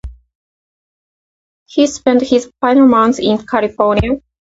He spent his final months in California.